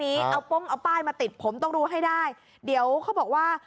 แต่ว่าวันนี้ผมก็ตกใจอยู่ว่า